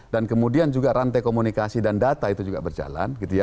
dan kemudian juga rantai komunikasi dan data itu juga berjalan gitu ya